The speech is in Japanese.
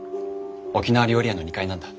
沖縄料理屋の２階なんだ。